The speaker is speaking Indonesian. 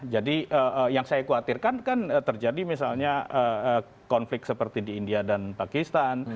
jadi yang saya khawatirkan kan terjadi misalnya konflik seperti di india dan pakistan